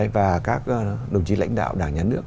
và các đồng chí lãnh đạo đảng nhà nước